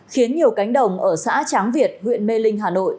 khiến nhiều cánh đồng ở xã tráng việt huyện mê linh hà nội